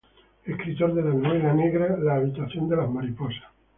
Escritor de la novela negra La habitación de las mariposas.